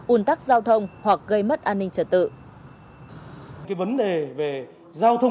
un tắc giao thông hoặc gây mất an ninh trật tự